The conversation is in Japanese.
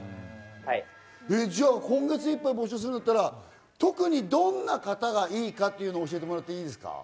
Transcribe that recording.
今月いっぱい募集するんだったら、特にどんな方がいいかっていうのを教えてもらっていいですか？